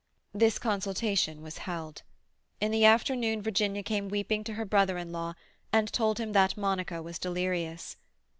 This consultation was held. In the afternoon Virginia came weeping to her brother in law, and told him that Monica was delirious.